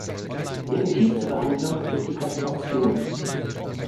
Die effektivste Behandlung ist die Kastration.